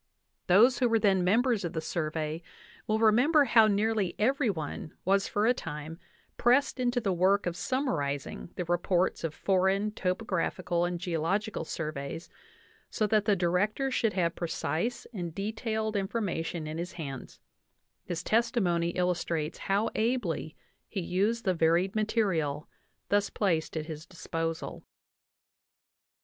) Those who were then members of the Survey will remember how nearly every one was for a time pressed into the work of summarizing the reports of foreign topographical and geological surveys, so that the Director should have precise and detailed information in his hands; his testimony illustrates how ably he used the varied material thus placed at his disposal.